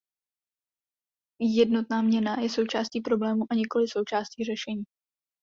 Jednotná měna je součástí problému a nikoli součástí řešení.